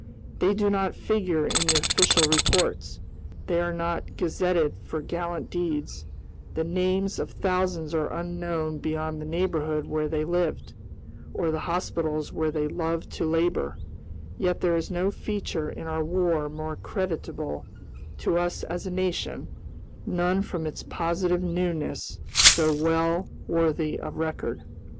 They do not figure in the official reports; they are not gazetted for gallant deeds; the names of thousands are unknown beyond the neighborhood where they lived, or the hospitals where they loved to labor; yet there is no feature in our War more creditable to us as a nation, none from its positive newness so well worthy of record.